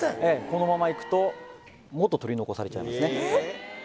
ええこのままいくともっと取り残されちゃいますねえー